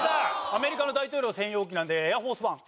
アメリカの大統領専用機なんでエアフォース・ワン。